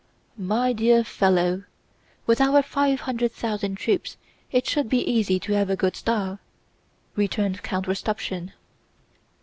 "My dear fellow, with our five hundred thousand troops it should be easy to have a good style," returned Count Rostopchín.